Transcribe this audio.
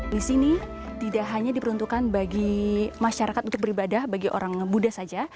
di sini tidak hanya diperuntukkan bagi masyarakat untuk beribadah bagi orang buddha saja